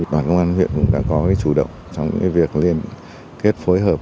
đoàn công an huyện cũng đã có cái chủ động trong cái việc liên kết phối hợp